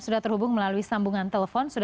sudah terhubung melalui sambungan telepon